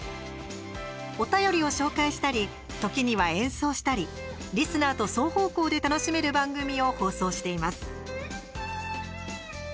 お便りを紹介したり時には演奏したりリスナーと双方向で楽しめる番組を放送しています。